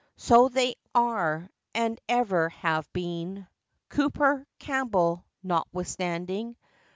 So they are and ever have been, Cooper, Campbell, notwithstanding.